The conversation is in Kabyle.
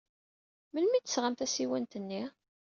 Melmi ay d-tesɣam tasiwant-nni?